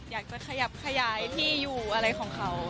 อยากจะขยับขยายที่อยู่อะไรของเขา